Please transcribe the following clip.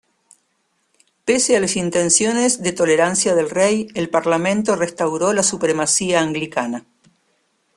Pese a las intenciones de tolerancia del rey, el Parlamento restauró la supremacía anglicana.